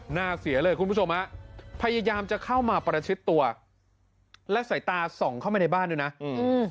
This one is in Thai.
หน้าเสียเลยคุณผู้ชมฮะพยายามจะเข้ามาประชิดตัวและสายตาส่องเข้าไปในบ้านด้วยนะอืม